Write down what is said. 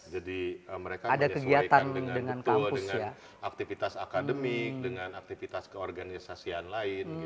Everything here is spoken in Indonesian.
jadi mereka menyesuaikan dengan aktivitas akademik dengan aktivitas keorganisasian lain